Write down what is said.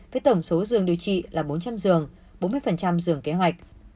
với tổng số dường điều trị là bốn trăm linh dường bốn mươi dường kế hoạch